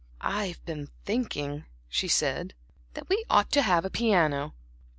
"I've been thinking," she said "that we ought to have a piano.